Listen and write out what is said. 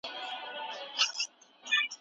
یو، دوه، درې او څلور آسانه عددونه دي.